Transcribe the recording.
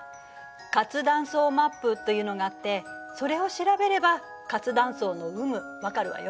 活断層マップというのがあってそれを調べれば活断層の有無分かるわよ。